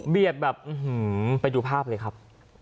แบบไปดูภาพเลยครับ